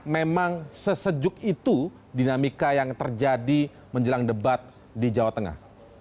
memang sesejuk itu dinamika yang terjadi menjelang debat di jawa tengah